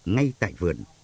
ngay tại vườn